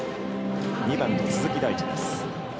２番の鈴木大地です。